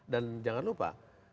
dan jangan lupa